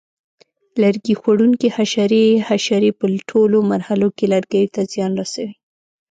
لرګي خوړونکي حشرې: حشرې په ټولو مرحلو کې لرګیو ته زیان رسوي.